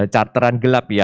charteran gelap ya